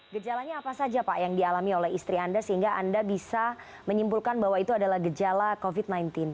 gejalanya apa saja pak yang dialami oleh istri anda sehingga anda bisa menyimpulkan bahwa itu adalah gejala covid sembilan belas